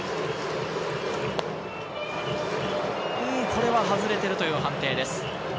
これは外れてるという判定です。